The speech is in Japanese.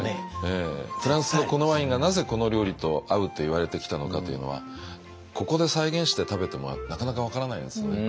フランスのこのワインがなぜこの料理と合うっていわれてきたのかというのはここで再現して食べてもなかなか分からないんですよね。